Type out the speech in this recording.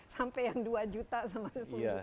sampai yang dua juta sama sepuluh juta